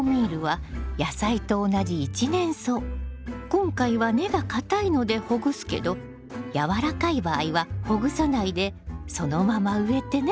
今回は根が硬いのでほぐすけどやわらかい場合はほぐさないでそのまま植えてね。